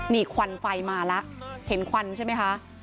นี่ควันไฟมาแล้วเห็นควันใช่ไหมคะ